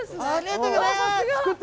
ありがとうございます！